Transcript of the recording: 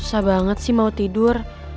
susah banget mau tidur